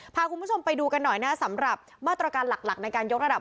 พาคุณผู้ชมไปดูกันหน่อยนะสำหรับมาตรการหลักในการยกระดับ